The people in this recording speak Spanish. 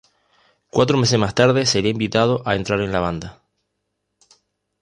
Cuatro meses más tarde sería invitado a entrar en la banda.